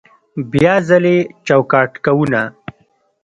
بیا ځلې چوکاټ کوونه